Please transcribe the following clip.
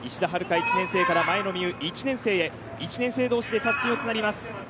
１年生から前野美優１年生へ１年生同士でたすきをつなぎます。